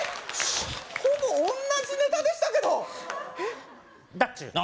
ほぼ同じネタでしたけどだっちゅーの！